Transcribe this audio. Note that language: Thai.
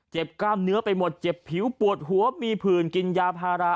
กล้ามเนื้อไปหมดเจ็บผิวปวดหัวมีผื่นกินยาพารา